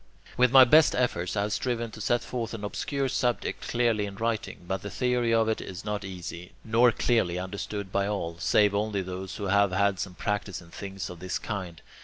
With my best efforts I have striven to set forth an obscure subject clearly in writing, but the theory of it is not easy, nor readily understood by all, save only those who have had some practice in things of this kind.